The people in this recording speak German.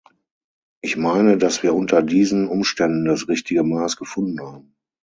Ich meine, dass wir unter diesen Umständen das richtige Maß gefunden haben.